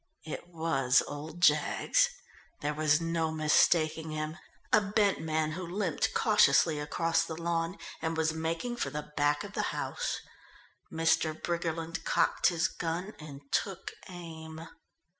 It was old Jaggs. There was no mistaking him. A bent man who limped cautiously across the lawn and was making for the back of the house. Mr. Briggerland cocked his gun and took aim....